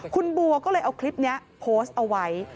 คุณบัวก็เลยเอาคลิปนี้โพสต์เอาไว้